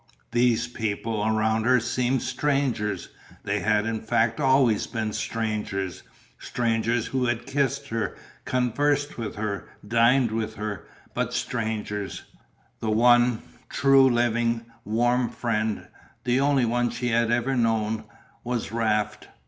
"These people" around her seemed strangers; they had in fact always been strangers, strangers who had kissed her, conversed with her, dined with her, but strangers; the one, true, living, warm friend, the only one she had ever known, was Raft.